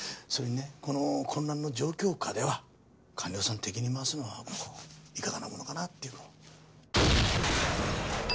それにねこの混乱の状況下では官僚さん敵に回すのはここいかがなものかなっていう。